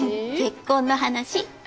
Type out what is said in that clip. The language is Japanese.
結婚の話。